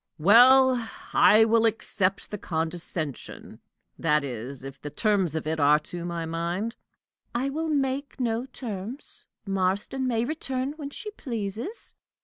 "Well, I will accept the condescension that is, if the terms of it are to my mind." "I will make no terms. Marston may return when she pleases."